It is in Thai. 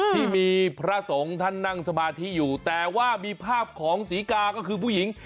ที่มีพระสงฆ์ท่านนั่งสมาธิอยู่แต่ว่ามีภาพของศรีกาก็คือผู้หญิง